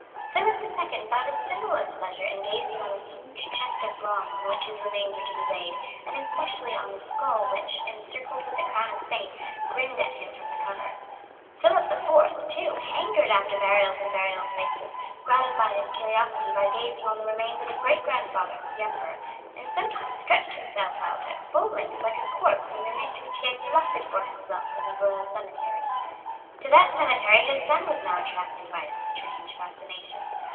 Philip the Second found a similar pleasure in gazing on the huge chest of bronze in which his remains were to be laid, and especially on the skull which, encircled with the crown of Spain, grinned at him from the cover. Philip the Fourth, too, hankered after burials and burial places, gratified his curiosity by gazing on the remains of his great grandfather, the Emperor, and sometimes stretched himself out at full length like a corpse in the niche which he had selected for himself in the royal cemetery. To that cemetery his son was now attracted by a strange fascination.